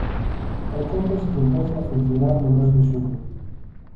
E cóntase que empece a funcionar no mes de xuño.